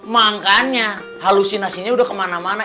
makannya halusinasinya udah kemana mana